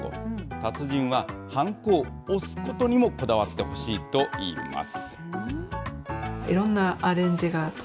達人ははんこを押すことにもこだわってほしいといいます。